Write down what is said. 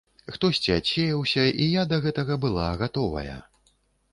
Хтосьці адсеяўся, і я да гэтага была гатовая.